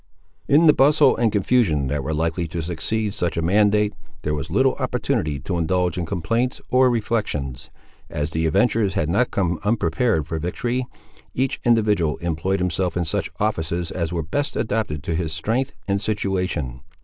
In the bustle and confusion that were likely to succeed such a mandate, there was little opportunity to indulge in complaints or reflections. As the adventurers had not come unprepared for victory, each individual employed himself in such offices as were best adapted to his strength and situation.